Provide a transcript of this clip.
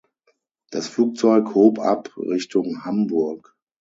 Das Flugzeug hob ab Richtung Hamburg.